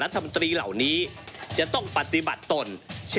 ก็ได้มีการอภิปรายในภาคของท่านประธานที่กรกครับ